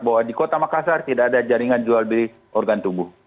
bahwa di kota makassar tidak ada jaringan jual beli organ tubuh